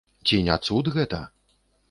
Ці не цуд гэта?